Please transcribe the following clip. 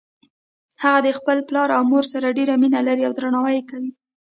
هغه د خپل پلار او مور سره ډیره مینه لری او درناوی یی کوي